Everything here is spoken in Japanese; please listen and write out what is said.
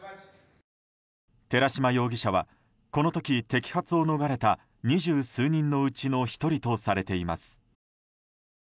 寺島容疑者はこの時、摘発を逃れた二十数人のうちの１人とされています。